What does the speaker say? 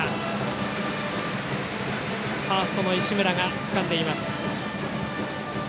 ファーストの石村がつかんでいます。